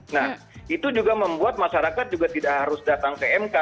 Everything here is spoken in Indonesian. nah itu juga membuat masyarakat juga tidak harus datang ke mk